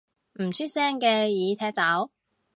唔出聲嘅已踢走